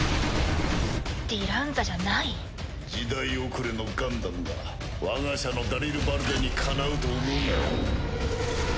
ディランザじゃない？時代遅れのガンダムが我が社のダリルバルデにかなうと思うなよ。